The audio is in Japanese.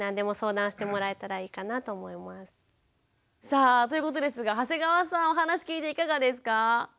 さあということですが長谷川さんお話聞いていかがですか？